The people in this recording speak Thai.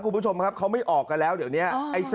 กลุ่มผู้ชมเค้าไม่ออกกันแล้วเดี๋ยวนี้